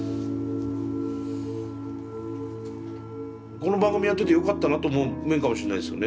この番組やっててよかったなと思う面かもしんないですよね。